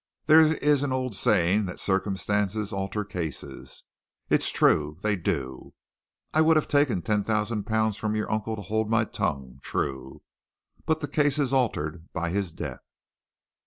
"There is an old saying that circumstances alter cases. It's true they do. I would have taken ten thousand pounds from your uncle to hold my tongue true. But the case is altered by his death."